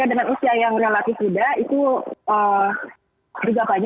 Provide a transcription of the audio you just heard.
indonesia juga yang saat ini juga kan